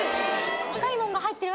高いものが入ってる？